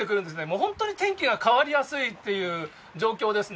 本当に天気が変わりやすいっていう状況ですね。